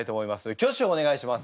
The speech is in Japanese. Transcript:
挙手をお願いします。